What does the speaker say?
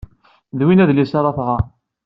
D win ay d adlis ara tɣer.